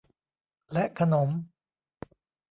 และขนม